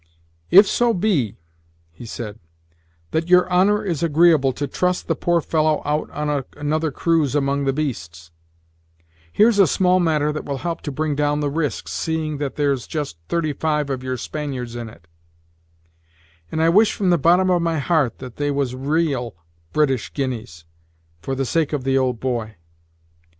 "If so be," he said, "that your honor is agreeable to trust the poor fellow out on another cruise among the beasts, here's a small matter that will help to bring down the risk, seeing that there's just thirty five of your Spaniards in it; and I wish, from the bottom of my heart, that they was raal British guineas, for the sake of the old boy.